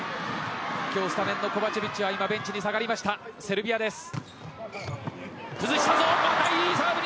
今日スタメンのコバチェビッチはベンチに下がりましたセルビアです。